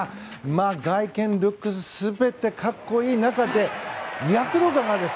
外見、ルックス全て格好いい中で躍動感があるんです。